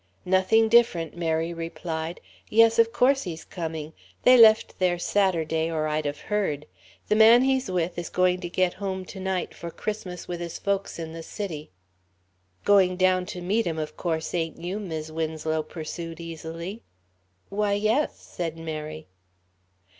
"Nothing different," Mary replied. "Yes, of course he's coming. They left there Saturday, or I'd have heard. The man he's with is going to get home to night for Christmas with his folks in the City." "Going down to meet him of course, ain't you," Mis' Winslow pursued easily. "Why, yes," said Mary.